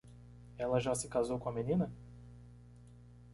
Ela já se casou com a menina?